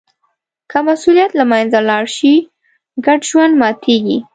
که مسوولیت له منځه لاړ شي، ګډ ژوند ماتېږي.